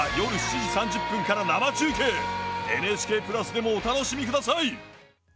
ＮＨＫプラスでもお楽しみください。